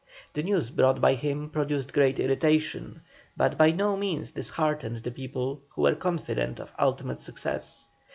The news brought by him produced great irritation, but by no means disheartened the people, who were confident of ultimate success.